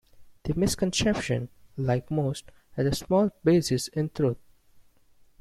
The misconception, like most, has a small basis in truth.